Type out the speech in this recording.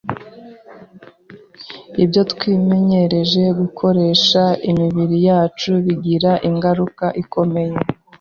Ibyo twimenyereje gukoresha imibiri yacu bigira ingaruka ikomeye